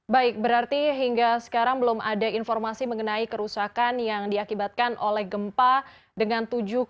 baik berarti hingga sekarang belum ada informasi mengenai kerusakan yang diakibatkan oleh gempa dengan tujuh empat